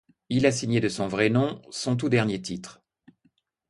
Il a signé de son vrai nom son tout dernier titre.